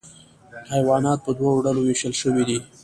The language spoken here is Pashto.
حیوانات په دوه ډلو ویشل شوي دي